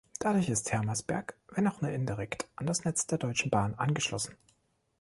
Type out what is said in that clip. Dadurch ist Hermersberg, wenn auch nur indirekt, an das Netz der Deutschen Bahn angeschlossen.